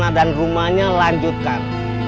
tanah dan rumahnya lanjutkan